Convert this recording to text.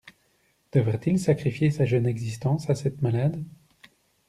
Devait-il sacrifier sa jeune existence à cette malade.